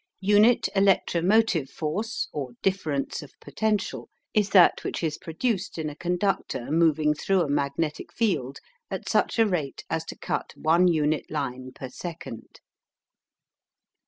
UNIT ELECTRO MOTIVE FORCE or DIFFERENCE OF POTENTIAL is that which is produced in a conductor moving through a magnetic field at such a rate as to cut one unit line per second.